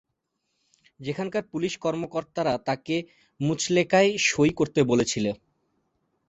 সেখানকার পুলিশ কর্মকর্তারা তাকে মুচলেকায় সই করতে বলেছিল।